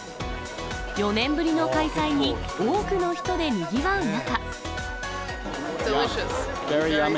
４年ぶりの開催に、多くの人でにぎわう中。